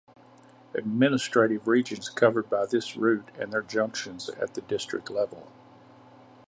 Administrative regions covered by this route and their junctions at the district level.